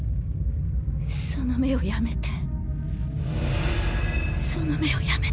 その目をやめてその目をやめて。